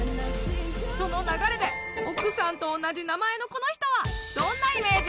その流れで奥さんと同じ名前のこの人はどんなイメージ？